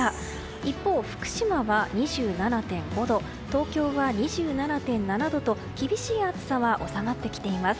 一方、福島は２７．５度東京は２７．７度と厳しい暑さは収まってきています。